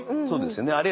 そうですよね。